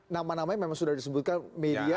nama namanya memang sudah disebutkan media